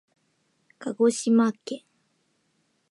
かごしまけん